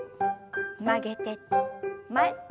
曲げて前。